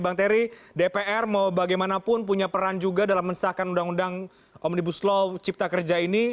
bang terry dpr mau bagaimanapun punya peran juga dalam mensahkan undang undang omnibus law cipta kerja ini